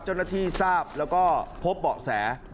เจ้าหน้าที่ทราบแล้วก็พบเบาะแส